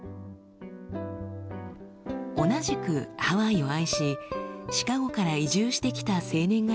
同じくハワイを愛しシカゴから移住してきた青年がいました。